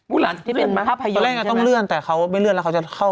หลังจากที่เป็นไหมภาพยนตแรกต้องเลื่อนแต่เขาไม่เลื่อนแล้วเขาจะเข้า